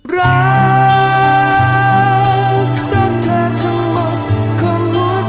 รักรักเธอทั้งหมด